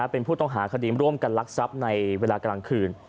เป็นผู้ต้องหาคดีร่วมกันลักทรัพย์ในเวลากลางคืน